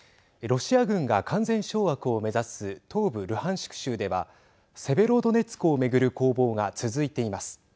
ロシア軍が完全掌握を目指す東部ルハンシク州ではセベロドネツクを巡る攻防が続いています。